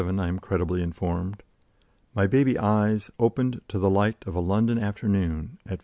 On October 1, 1847, I am credibly informed, my baby eyes opened to the light(?) of a London afternoon at 5.